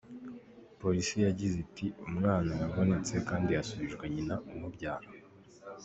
Polisi yagize iti “Umwana yabonetse kandi yasubijwe nyina umubyara.